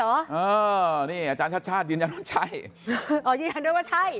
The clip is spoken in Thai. เออนี่อาจารย์ชาติชาติยืนยันว่าใช่อ๋อยืนยันด้วยว่าใช่